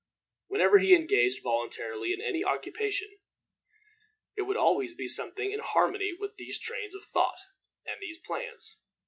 Whenever he engaged voluntarily in any occupation, it would always be something in harmony with these trains of thought and these plans.